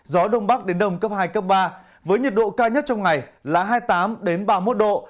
gió đông bắc đến đông cấp hai cấp ba với nhiệt độ cao nhất trong ngày là hai mươi tám ba mươi một độ